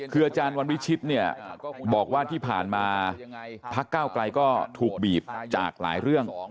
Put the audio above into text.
คืออาจารย์วันวิชิตเนี่ยบอกว่าที่ผ่านมาพักเก้าไกลก็ถูกบีบจากหลายเรื่อง